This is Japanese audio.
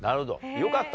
よかった。